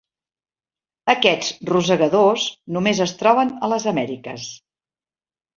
Aquests rosegadors només es troben a les Amèriques.